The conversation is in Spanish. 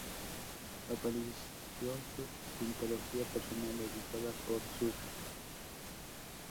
Apareció su "Antología personal", editada por Sur.